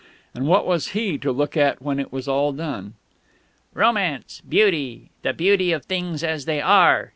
And what was he to look at when it was all done?... "Romance Beauty the Beauty of things as they are!"